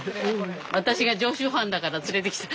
私が常習犯だから連れてきた。